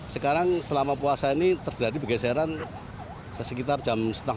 sekarang selama puasa ini terjadi pergeseran sekitar jam setengah